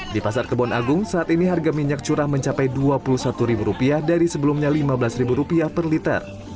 di pasar kebon agung saat ini harga minyak curah mencapai rp dua puluh satu dari sebelumnya rp lima belas per liter